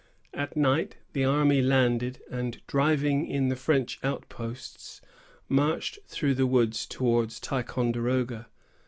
At night, the army landed, and, driving in the French outposts, marched through the woods towards Ticonderoga.